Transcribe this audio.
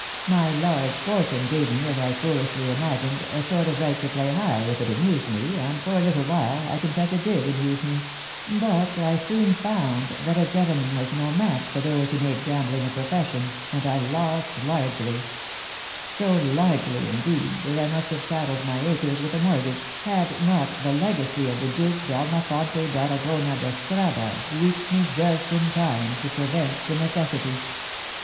My large fortune gave me, as I foolishly imagined, a sort of right to play high if it amused me, and for a little while, I confess it did amuse me; .... but I soon found that a gentleman was no match for those who made gambling a profession, and I lost largely, — so largely, indeed, that I must have saddled my acres with a mortgage, had not the legacy of the Duke d'Almafonte d'Aragona d'Estrada reached me just in time to prevent the necessity."